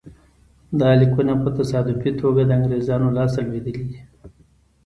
دا لیکونه په تصادفي توګه د انګرېزانو لاسته لوېدلي دي.